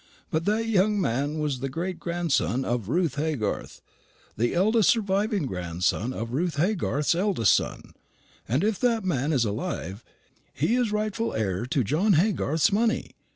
But that young man was the great grandson of Ruth Haygarth the eldest surviving grandson of Ruth Haygarth's eldest son; and if that man is alive, he is rightful heir to John Haygarth's money.